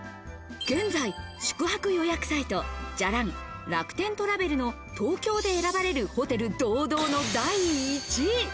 現在、宿泊予約サイト、じゃらん、楽天トラベルの東京で選ばれるホテル堂々の第１位！